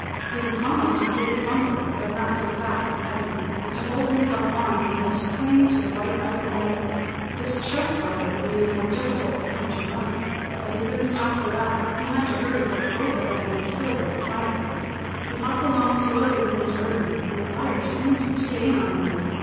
He was almost as big as Bumper, but not so fat and heavy, and to hold himself on he had to cling to the white rabbit's neck. This choked Bumper, and made it more difficult for him to run. But he couldn't stop for that. He had to hurry, or both of them would be killed by the fire. He hopped along slowly with his burden, and the fire seemed to gain on them.